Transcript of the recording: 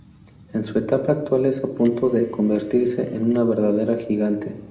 En su etapa actual está a punto de convertirse en una verdadera gigante.